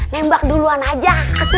nembak duluan aja